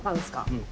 うん。